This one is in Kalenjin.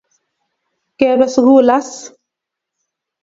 Ngebe sugul as.